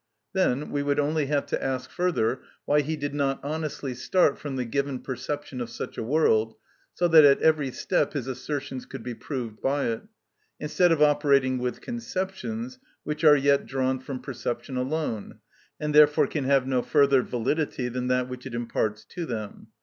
Then we would only have to ask further why he did not honestly start from the given perception of such a world, so that at every step his assertions could be proved by it, instead of operating with conceptions, which are yet drawn from perception alone, and therefore can have no further validity than that which it imparts to them.